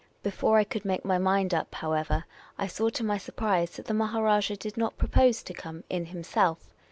Before I could make my mind up, however, I saw to my surprise that the Maharajah did not propose to come in him self.